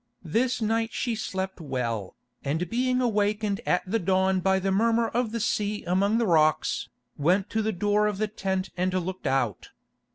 This night she slept well, and being awakened at the dawn by the murmur of the sea among the rocks, went to the door of the tent and looked out.